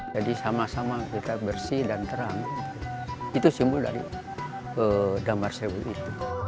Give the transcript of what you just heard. jadi sama sama kita bersih dan terang itu simbol dari damar seribu itu